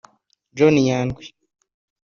John Nyandwi